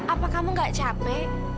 apa kamu gak capek